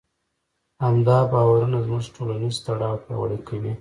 همدا باورونه زموږ ټولنیز تړاو پیاوړی کوي.